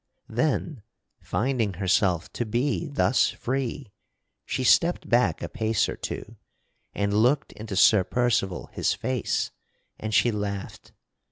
Then, finding herself to be thus free, she stepped back a pace or two and looked into Sir Percival his face, and she laughed.